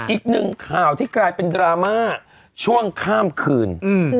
อีกหนึ่งข่าวที่กลายเป็นดราม่าช่วงข้ามคืน